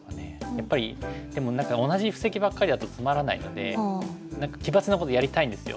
やっぱりでも何か同じ布石ばっかりだとつまらないので何か奇抜なことやりたいんですよ。